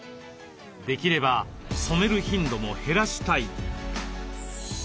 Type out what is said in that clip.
できれば染める頻度も減らしたい。